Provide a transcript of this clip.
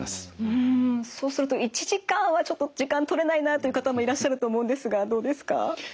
うんそうすると１時間はちょっと時間とれないなという方もいらっしゃると思うんですがどうですか？